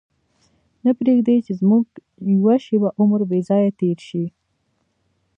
نه پرېږدي چې زموږ یوه شېبه عمر بې ځایه تېر شي.